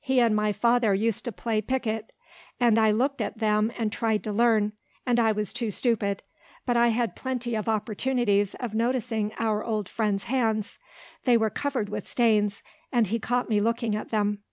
He and my father used to play piquet; and I looked at them, and tried to learn and I was too stupid. But I had plenty of opportunities of noticing our old friend's hands. They were covered with stains; and he caught me looking at them.